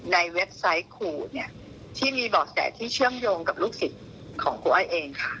เว็บไซต์ขู่เนี่ยที่มีเบาะแสที่เชื่อมโยงกับลูกศิษย์ของครูอ้อยเองค่ะ